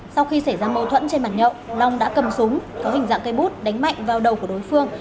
sau khi xảy ra mâu thuẫn trên bàn nhậu long đã cầm súng có hình dạng cây bút đánh mạnh vào đầu của đối phương